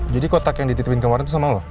jadi kotak yang dititipin kemarin itu sama lo